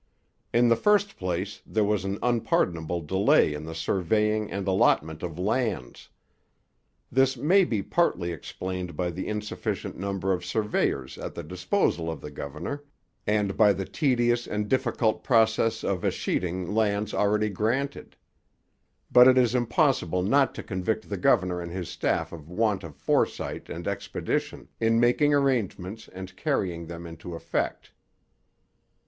In the first place there was an unpardonable delay in the surveying and allotment of lands. This may be partly explained by the insufficient number of surveyors at the disposal of the governor, and by the tedious and difficult process of escheating lands already granted; but it is impossible not to convict the governor and his staff of want of foresight and expedition in making arrangements and carrying them into effect.